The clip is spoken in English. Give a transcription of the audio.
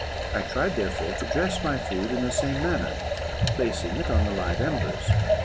I tried, therefore, to dress my food in the same manner, placing it on the live embers.